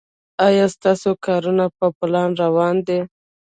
ایا ستاسو کارونه په پلان روان دي؟